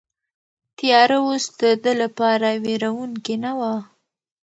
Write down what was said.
تیاره اوس د ده لپاره وېروونکې نه وه.